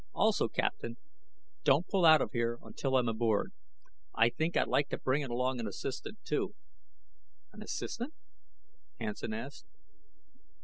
Also, Captain, don't pull out of here until I'm aboard. I think I'd like to bring an assistant along, too." "An assistant?" Hansen asked.